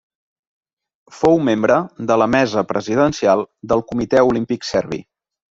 Fou membre de la mesa presidencial del comitè olímpic serbi.